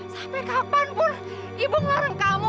sampai kapanpun ibu melarang kamu